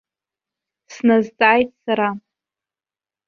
Сназҵааит сара.